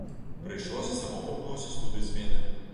Прыйшлося самому ўносіць туды змены.